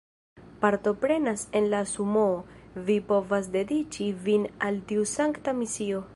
Partoprenante en la Sumoo, vi povas dediĉi vin al tiu sankta misio.